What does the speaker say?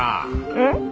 ☎うん？